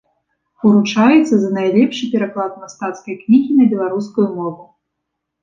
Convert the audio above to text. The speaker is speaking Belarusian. Уручаецца за найлепшы пераклад мастацкай кнігі на беларускую мову.